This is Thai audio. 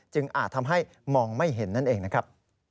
อาจทำให้มองไม่เห็นนั่นเองนะครับ